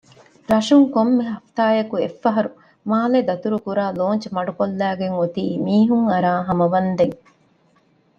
ރަށުން ކޮންމެ ހަފްތާއަކު އެއްފަހަރު މާލެ ދަތުރު ކުރާ ލޯންޗު މަޑުކޮށްލައިގެންއޮތީ މީހުންއަރާ ހަމަވަންދެން